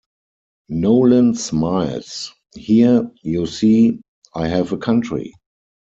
Nolan smiles, Here, you see, I have a country!